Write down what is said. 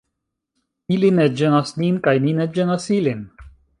Ili ne ĝenas nin, kaj ni ne ĝenas ilin.